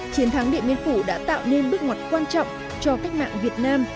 chiến thắng điện biên phủ đã tạo nên bước ngoặt quan trọng cho cách mạng việt nam